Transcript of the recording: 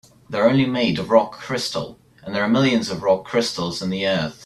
They're only made of rock crystal, and there are millions of rock crystals in the earth.